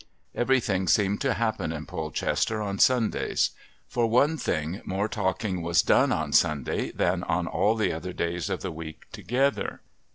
Everything seemed to happen in Polchester on Sundays. For one thing more talking was done on Sunday than on all the other days of the week together.